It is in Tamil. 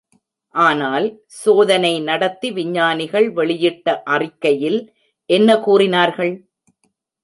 ஆனால், சோதனை நடத்தி விஞ்ஞானிகள் வெளியிட்ட அறிக்கையில் என்ன கூறினார்கள்?